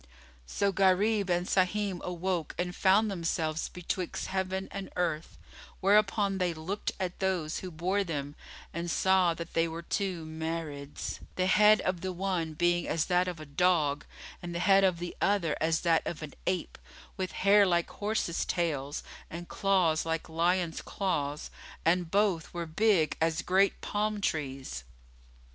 So Gharib and Sahim awoke and found themselves betwixt heaven and earth; whereupon they looked at those who bore them and saw that they were two Marids, the head of the one being as that of a dog and the head of the other as that of an ape[FN#23] with hair like horses' tails and claws like lions' claws, and both were big as great palm trees.